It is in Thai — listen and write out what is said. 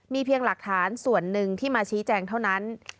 เพียงหลักฐานส่วนหนึ่งที่มาชี้แจงเท่านั้น